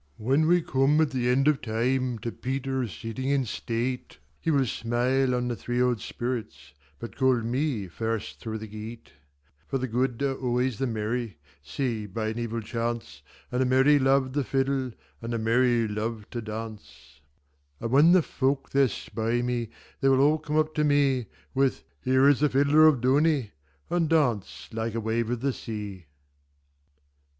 When we come at the end of time, To Peter sitting in state, He will smile on the three old spirits, But call me first through the gate; For the good are always the merry, Save by an evil chance, And the merry love the fiddleAnd the merry love to dance:And when the folk there spy me, They will all come up to me, With 'Here is the fiddler of Dooney!'And dance like a wave of the sea.